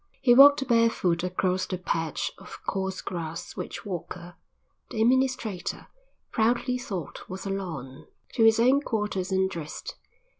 He walked barefoot across the patch of coarse grass which Walker, the administrator, proudly thought was a lawn, to his own quarters and dressed.